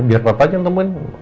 biar papa aja yang temuin